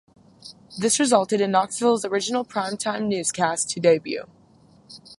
This resulted in Knoxville's original prime time newscast to debut.